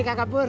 ini kagak bur